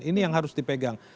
ini yang harus dipegang